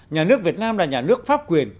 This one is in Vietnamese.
nhà nước việt nam là nhà nước pháp quyền